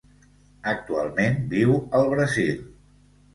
Actualment viu al Brasil.